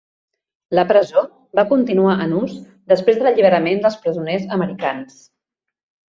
La presó va continuar en ús després de l'alliberament dels presoners americans.